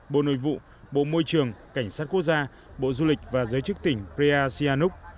bộ nội vụ bộ môi trường cảnh sát quốc gia bộ du lịch và giới chức tỉnh brea sihanuk